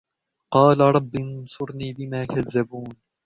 قال رب انصرني بما كذبون